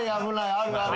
あるある。